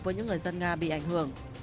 với những người dân nga bị ảnh hưởng